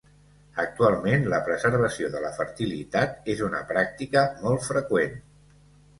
Actualment, la preservació de la fertilitat és una pràctica molt freqüent.